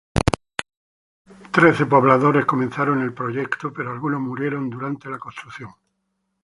Trece pobladores comenzaron el proyecto, pero algunos murieron durante la construcción.